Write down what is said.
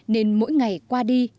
nên mỗi ngày qua đi